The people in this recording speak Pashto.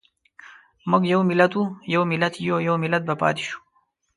موږ یو ملت وو، یو ملت یو او يو ملت به پاتې شو.